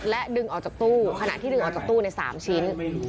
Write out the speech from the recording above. และดึงออกจากตู้ขณะที่ดึงออกจากตู้ใน๓ชิ้น